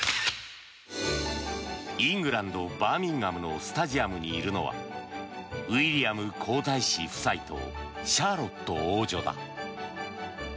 イングランド・バーミンガムのスタジアムにいるのはウィリアム皇太子夫妻とシャーロット王女だ。